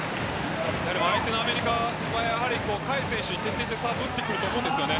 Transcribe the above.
相手のアメリカは甲斐選手に徹底してサーブ打ってくると思うんです。